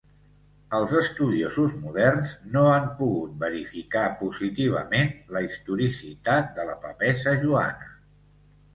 Els estudiosos moderns no han pogut verificar positivament la historicitat de la Papessa Joana.